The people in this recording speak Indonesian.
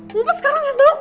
ngumpet sekarang hasbalok